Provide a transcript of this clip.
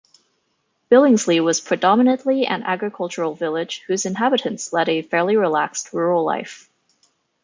Billingsley was predominately an agricultural village whose inhabitants led a fairly relaxed rural life.